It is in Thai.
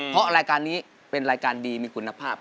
เพราะรายการนี้เป็นรายการดีมีคุณภาพ